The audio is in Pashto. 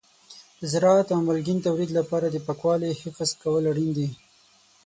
د زراعت او مالګین تولید لپاره د پاکوالي حفظ کول اړین دي.